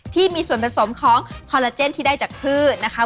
ที่มีส่วนผสมของคอลลาเจนที่ได้จากพืชนะคะ